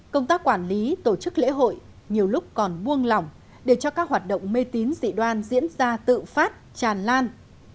công tác quản lý tổ chức lễ hội nhiều lúc còn buông lỏng để cho các hoạt động mê tín dị đoan diễn ra tự phát tràn lan